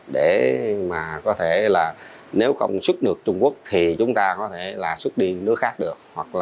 để mà có thể là nếu không xuất được trung quốc thì chúng ta có thể là xuất đi nước khác được